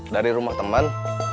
dari rumah teman